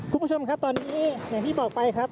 คุณผู้ชมครับตอนนี้อย่างที่บอกไปครับ